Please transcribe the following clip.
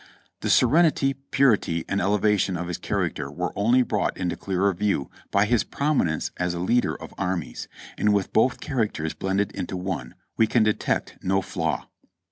The sincerity, purity and elevation of his character were only brought into clearer view by his prominence as a leader of armies, and with both characters blended into one we can detect no flaw.